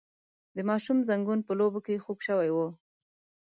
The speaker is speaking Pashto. د ماشوم زنګون په لوبو کې خوږ شوی و.